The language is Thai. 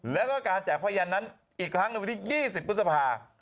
แล้วก็การแจกพระยันนั้นอีกครั้งในวันที่๒๐พฤษภา